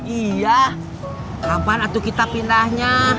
iya kapan itu kita pindahnya